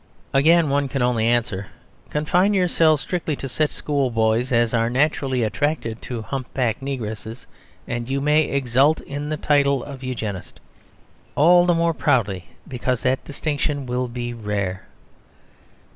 Again one can only answer, "Confine yourselves strictly to such schoolboys as are naturally attracted to hump backed negresses; and you may exult in the title of Eugenist, all the more proudly because that distinction will be rare."